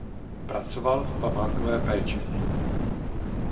Pracoval v památkové péči.